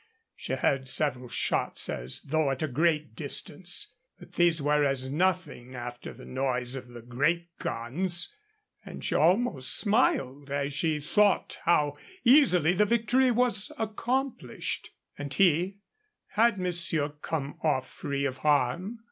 She heard several shots as though at a great distance, but these were as nothing after the noise of the great guns, and she almost smiled as she thought how easily the victory was accomplished. And he had monsieur come off free of harm?